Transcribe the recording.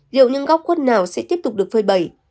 liệu những góc khuất nào sẽ tiếp tục được phơi bẩy